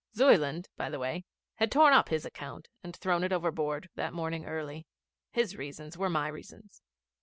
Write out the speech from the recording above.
Zuyland, by the way, had torn up his account and thrown it overboard that morning early. His reasons were my reasons.